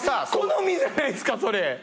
好みじゃないですかそれ！